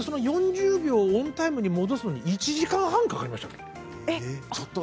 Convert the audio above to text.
オンタイムに戻すのに１時間半かかりました。